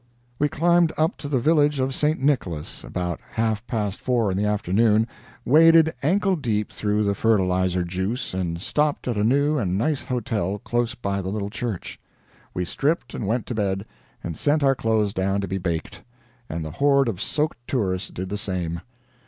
We climbed up to the village of St. Nicholas, about half past four in the afternoon, waded ankle deep through the fertilizer juice, and stopped at a new and nice hotel close by the little church. We stripped and went to bed, and sent our clothes down to be baked. And the horde of soaked tourists did the same.